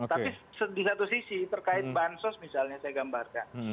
tapi di satu sisi terkait bansos misalnya saya gambarkan